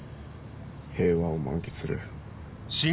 平和を満喫する。